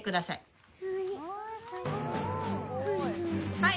はい・